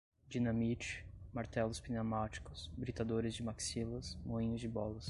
dinamite, martelos pneumáticos, britadores de maxilas, moinhos de bolas